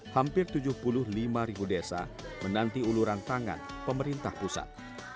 hampir tujuh puluh lima ribu desa menanti uluran tangan pemerintah pusat